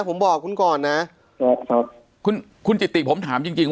ผมบอกคุณก่อนนะครับครับคุณคุณจิติผมถามจริงจริง